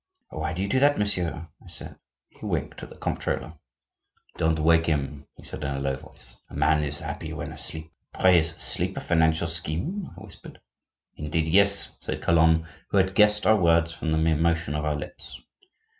"Why do you do that, monsieur?" I said. He winked at the comptroller. "Don't wake him," he said in a low voice. "A man is happy when asleep." "Pray, is sleep a financial scheme?" I whispered. "Indeed, yes!" said Calonne, who had guessed our words from the mere motion of our lips.